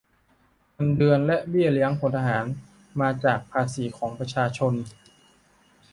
เงินเดือน และเบี้ยเลี้ยงพลทหาร มาจากภาษีของประชาชน